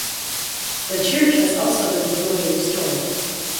The church has also been fully restored.